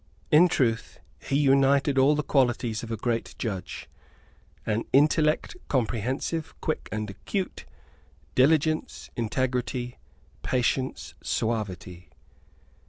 In truth, he united all the qualities of a great judge, an intellect comprehensive, quick and acute, diligence, integrity, patience, suavity.